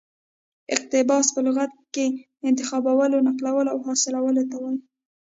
اقتباس په لغت کښي انتخابولو، نقلولو او حاصلولو ته وايي.